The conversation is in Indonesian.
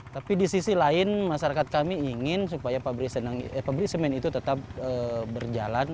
tapi di sisi lain masyarakat kami ingin supaya pabrik semen itu tetap berjalan